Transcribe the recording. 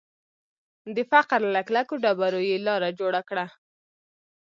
د فقر له کلکو ډبرو یې لاره جوړه کړه